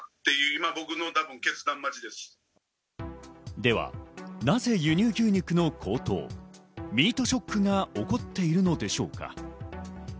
ではなぜ輸入牛肉の高騰、ミートショックが起こっているのでしょうか？